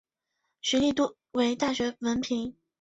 学历多为大学文凭。